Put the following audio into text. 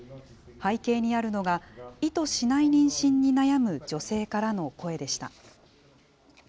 背景にあるのが、意図しない妊娠に悩む女性からの声でした。